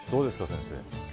先生。